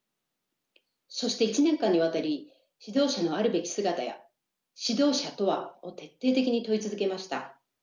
そして１年間にわたり指導者のあるべき姿や指導者とは？を徹底的に問い続けました。